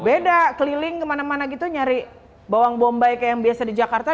beda keliling kemana mana gitu nyari bawang bombay kayak yang biasa di jakarta